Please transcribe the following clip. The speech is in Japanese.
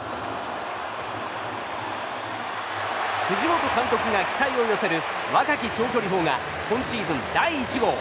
藤本監督が期待を寄せる若き長距離砲が今シーズン、第１号。